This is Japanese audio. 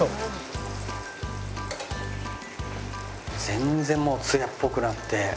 全然もう艶っぽくなって。